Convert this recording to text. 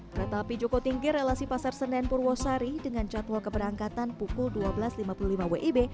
kereta api joko tinggi relasi pasar senen purwosari dengan jadwal keberangkatan pukul dua belas lima puluh lima wib